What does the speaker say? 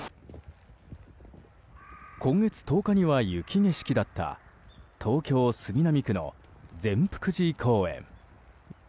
今月１０日には雪景色だった東京・杉並区の善福寺公園。